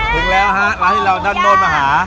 ถึงแล้วฮะร้านที่เราด้านบนมาหา